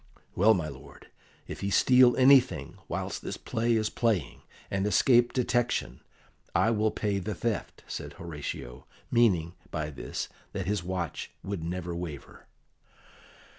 "Well, my lord, if he steal anything whilst this play is playing, and escape detection, I will pay the theft," said Horatio, meaning by this that his watch would never waver.